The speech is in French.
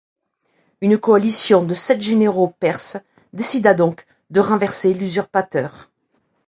Une coalition de sept généraux perses décida donc de renverser l'usurpateur.